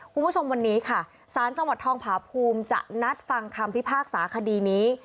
คุณผู้ชมวันนี้ค่ะสารจังหวัดทองผาภูมิจะนัดฟังคำพิพากษาคดีนี้